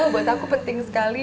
buat aku penting sekali